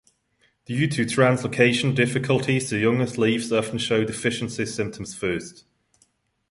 Due to translocation difficulties the youngest leaves often show deficiency symptoms first.